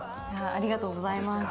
ありがとうございます。